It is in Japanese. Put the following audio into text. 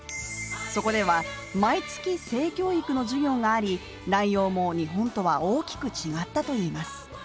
そこでは、毎月性教育の授業があり、内容も日本とは大きく違ったといいます。